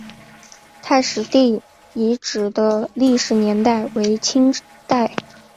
太史第遗址的历史年代为清代。